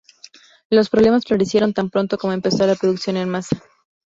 Los problemas florecieron tan pronto como empezó la producción en masa.